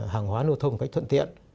hàng hóa nô thông có cách thuận tiện